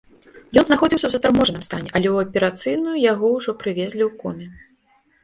Ён знаходзіўся ў затарможаным стане, але ў аперацыйную яго ўжо прывезлі ў коме.